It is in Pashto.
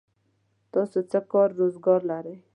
تاسو څه کار روزګار لرئ؟